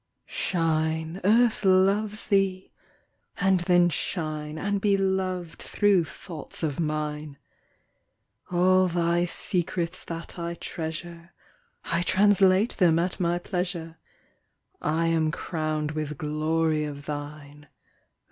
Shine, Earth loves thee! And then shine And be loved through thoughts of mine. All thy secrets that I treasure I translate them at my pleasure. I am crowned with glory of thine.